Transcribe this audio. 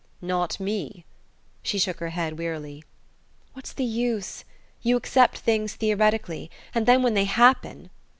"Not me?" She shook her head wearily. "What's the use? You accept things theoretically and then when they happen...."